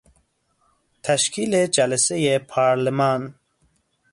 تشکیل جلسهی پارلمان